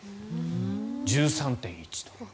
１３．１度。